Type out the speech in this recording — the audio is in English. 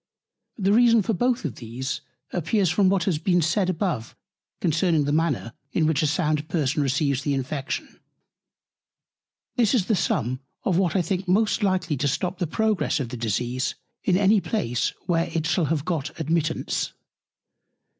The reason for both these appears from what has been said above concerning the Manner, in which a sound Person receives the Infection. This is the Sum of what I think most likely to stop the Progress of the Disease in any Place, where it shall have got Admittance.